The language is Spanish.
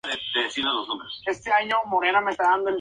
Al regresar a Moscú, es recibido triunfalmente.